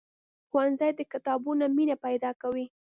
ښوونځی د کتابونو مینه پیدا کوي